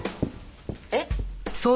えっ？